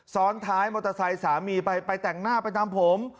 ซ้อนท้ายมอเตอร์ไซค์สามีไปไปแต่งหน้าไปทำผม